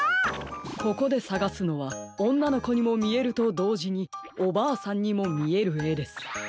ここでさがすのはおんなのこにもみえるとどうじにおばあさんにもみえるえです。